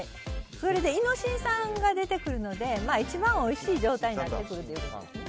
イノシン酸が出てくるので一番おいしい状態になってくるということですね